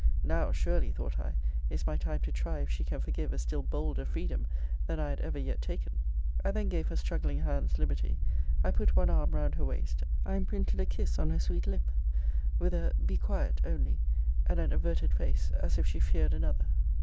Now surely, thought I, is my time to try if she can forgive a still bolder freedom than I had ever yet taken. I then gave her struggling hands liberty. I put one arm round her waist: I imprinted a kiss on her sweet lip, with a Be quiet only, and an averted face, as if she feared another.